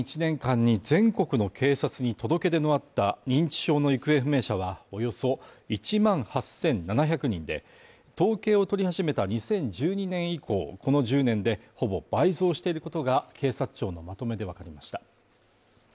去年１年間に全国の警察に届け出のあった認知症の行方不明者はおよそ１万８７００人で、統計を取り始めた２０１２年以降、この１０年でほぼ倍増していることが警察庁のまとめでわかりました。